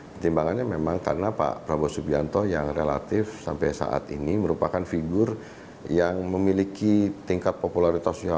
pertimbangannya memang karena pak prabowo subianto yang relatif sampai saat ini merupakan figur yang memiliki tingkat popularitasnya